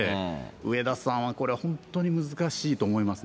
植田さんはこれ、本当に難しいと思いますね。